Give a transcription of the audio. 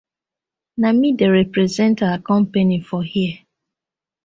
Na mi dey represent our company for here.